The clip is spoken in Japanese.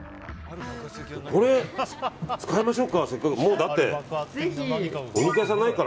これ、使いましょうか。